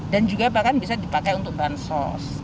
dan juga bahkan bisa dipakai untuk bantuan sosial